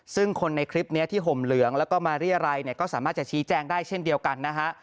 ซึ่งคนในคลิปนี้ที่ห่มเหลืองแล้วก็มาเรียรัยเนี่ยก็สามารถจะชี้แจงได้เช่นเดียวกันนะฮะ